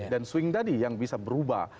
dan swing tadi yang bisa berubah